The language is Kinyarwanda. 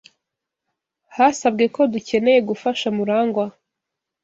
Hasabwe ko dukeneye gufasha Murangwa.